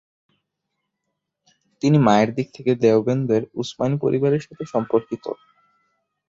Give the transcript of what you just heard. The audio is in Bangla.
তিনি মায়ের দিক থেকে দেওবন্দের উসমানি পরিবারের সাথে সম্পর্কিত।